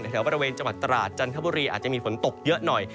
แถวบริเวณจังหวัดตราดจันทบุรีอาจจะมีฝนตกเยอะหน่อย